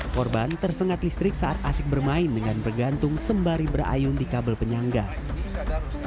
korban tersengat listrik saat asik bermain dengan bergantung sembari berayun di kabel penyangga